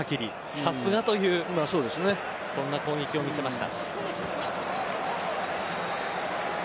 さすがというそんな攻撃を見せました。